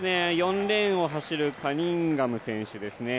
４レーンを走るカニンガム選手ですね。